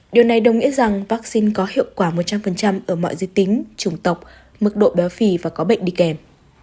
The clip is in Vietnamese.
điều này đồng nghĩa rằng vắc xin có hiệu quả một trăm linh ở mọi dư tính trùng tộc mức độ béo phì và có bệnh đi kèm